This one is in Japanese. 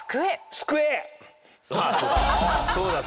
そうだった。